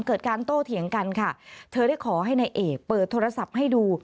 เกิดการโต้เถียงกันค่ะเธอได้ขอให้นายเอกเปิดโทรศัพท์ให้ดู